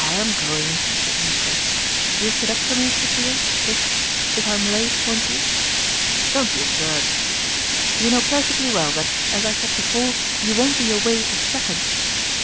I'm going," he said meekly. " You'll sit up for me, Sophia, if if I'm late, won't you?" " Don't be absurd !" she said. " You know perfectly well that, as I said before, you won't be away a second."